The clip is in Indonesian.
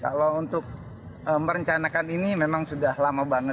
setelah kisahnya viral di media sosial instagram yang diunggah oleh penumpangnya